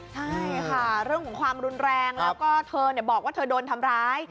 ใช่ค่ะเรื่องของความรุนแรงแล้วก็เธอบอกว่าเธอโดนทำร้าย